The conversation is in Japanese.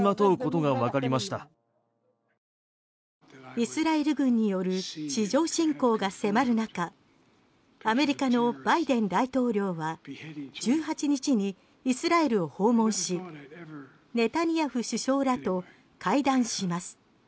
イスラエル軍による地上侵攻が迫る中アメリカのバイデン大統領は１８日にイスラエルを訪問しネタニヤフ首相らと会談します。